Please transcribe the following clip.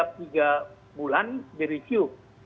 tiap tiga bulan direview